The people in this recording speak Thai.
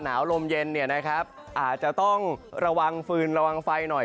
ลมเย็นเนี่ยนะครับอาจจะต้องระวังฟืนระวังไฟหน่อย